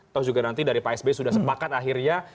atau juga nanti dari pak sb sudah sepakat akhirnya